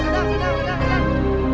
ledang ledang ledang